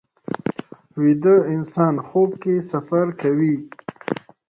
ویده انسان خوب کې سفر کوي